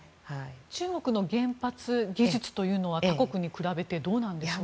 中国の原発技術というのは他国に比べてどうなんでしょうか。